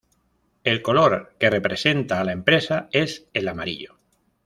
El color que representa a la empresa es el amarillo.